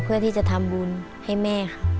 เพื่อที่จะทำบุญให้แม่ค่ะ